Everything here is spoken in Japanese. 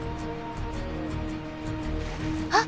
あっ！